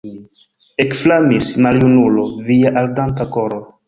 Ekflamis, maljunulo, via ardanta koro!